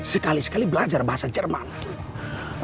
sekali sekali belajar bahasa jerman